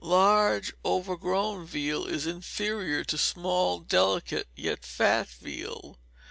Large, overgrown veal is inferior to small, delicate, yet fat veal.